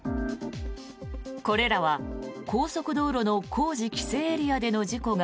これらは高速道路の工事規制エリアでの事故が